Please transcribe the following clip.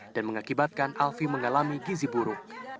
dan mengakibatkan alfie mengalami gizi buruk